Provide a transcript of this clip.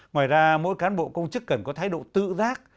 ngoài ra mỗi cán bộ công chức cần có thái độ tự giác